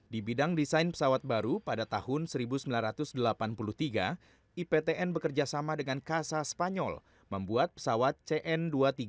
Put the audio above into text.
di bidang desain pesawat baru pada tahun seribu sembilan ratus delapan puluh tiga iptn bekerjasama dengan kasa spanyol membuat pesawat cn dua ratus tiga puluh